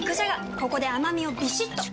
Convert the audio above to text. ここで甘みをビシッと！